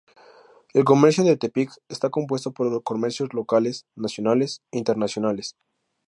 El comercio de Tepic está compuesto por comercios locales, nacionales e internacionales.